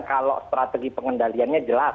kalau strategi pengendaliannya jelas